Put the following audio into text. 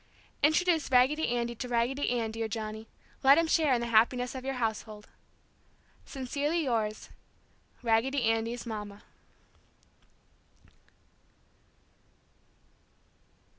Introduce Raggedy Andy to Raggedy Ann, dear Johnny. Let him share in the happiness of your household. Sincerely yours, Raggedy Andy's "Mama."